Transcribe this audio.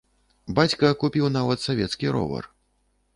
Бацька купіў нават савецкі ровар.